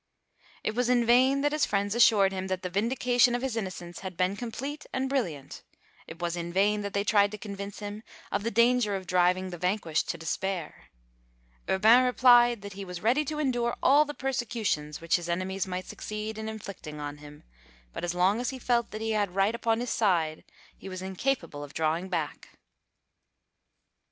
It was in vain that his friends assured him that the vindication of his innocence had been complete and brilliant, it was in vain that they tried to convince him of the danger of driving the vanquished to despair, Urbain replied that he was ready to endure all the persecutions which his enemies might succeed in inflicting on him, but as long as he felt that he had right upon his side he was incapable of drawing back.